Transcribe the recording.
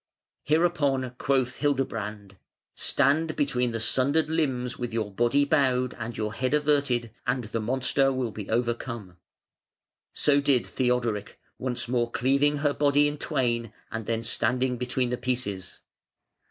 Hereupon quoth Hildebrand: "Stand between the sundered limbs with your body bowed and your head averted, and the monster will be overcome". So did Theodoric, once more cleaving her body in twain and then standing between the pieces.